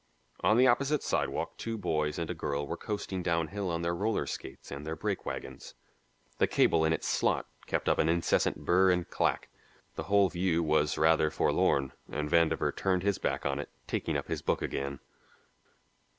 On the opposite sidewalk two boys and a girl were coasting downhill on their roller skates and their brake wagons. The cable in its slot kept up an incessant burr and clack. The whole view was rather forlorn, and Vandover turned his back on it, taking up his book again.